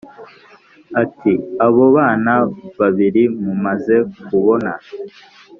ati”abo bana babiri mumaze kubona